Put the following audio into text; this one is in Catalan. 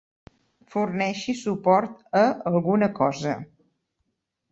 Forneixi suport a alguna cosa.